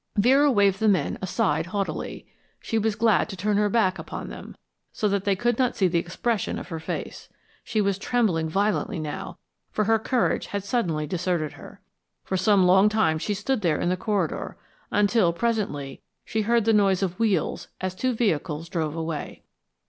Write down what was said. Vera waved the men aside haughtily. She was glad to turn her back upon them, so that they could not see the expression of her face. She was trembling violently now, for her courage had suddenly deserted her. For some long time she stood there in the corridor, until, presently, she heard the noise of wheels as two vehicles drove away.